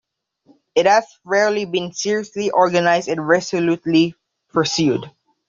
It has rarely been seriously organized and resolutely pursued.